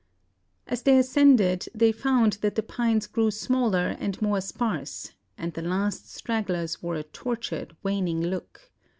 As they ascended they found that the pines grew smaller and more sparse, and the last stragglers wore "a tortured, waning look."